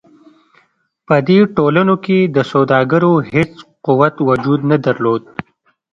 په دې ټولنو کې د سوداګرو هېڅ قوت وجود نه درلود.